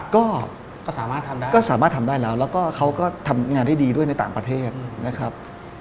ก็สามารถทำได้แล้วแล้วเขาก็ทำงานได้ดีด้วยในต่างประเทศนะครับ